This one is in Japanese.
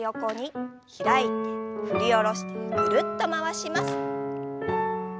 開いて振り下ろしてぐるっと回します。